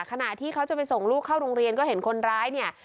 ขณะที่เขาจะไปส่งลูกเข้าโรงเรียนก็เห็นคนร้ายเนี่ย